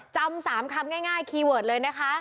จำ๓คำง่ายคีย์เวิร์ดเลยนะคะ